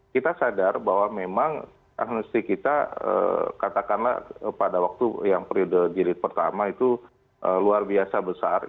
kita sadar bahwa memang amnesty kita katakanlah pada waktu yang periode jilid pertama itu luar biasa besar